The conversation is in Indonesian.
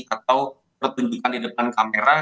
atau pertunjukan di depan kamera